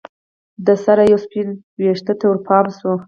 د سر یوه سپین ویښته ته ورپام شو